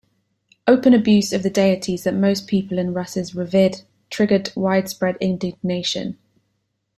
Open abuse of the deities that most people in Rus' revered triggered widespread indignation.